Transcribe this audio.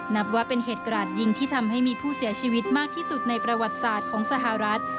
นับว่าเป็นเหตุกราดยิงที่ทำให้มีผู้เสียชีวิตมากที่สุดในประวัติศาสตร์ของสหรัฐ